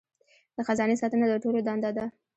د خزانې ساتنه د ټولو دنده ده.